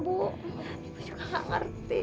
ibu juga gak ngerti